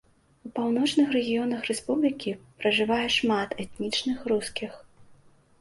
У паўночных рэгіёнах рэспублікі пражывае шмат этнічных рускіх.